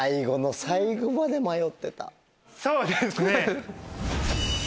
そうですね。